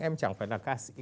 em chẳng phải là ca sĩ